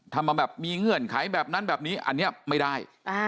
ทำมาแบบมีเงื่อนไขแบบนั้นแบบนี้อันนี้ไม่ได้